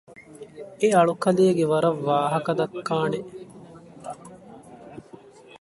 އެ އަޅުކަލޭގެ ވަރަށް ވާހަކަ ދައްކާނެ